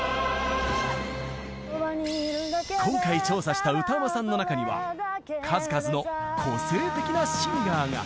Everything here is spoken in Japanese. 今回調査した歌うまさんの中には数々の個性的なシンガーが。